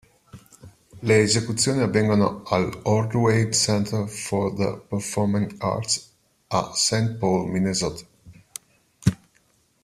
Le esecuzioni avvengono all'Ordway Center for the Performing Arts a Saint Paul, Minnesota.